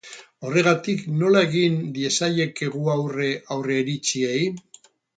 Horregatik, nola egin diezaiekegu aurre aurreiritziei?